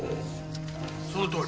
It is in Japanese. そのとおり！